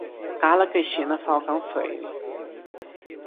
Carla Cristina Falcão Freire